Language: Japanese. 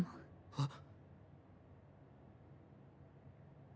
あっ。